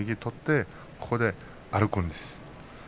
ここで歩くんです。